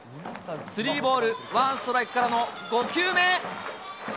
スリーボール、ワンストライクからの５球目。